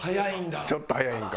ちょっと早いんか。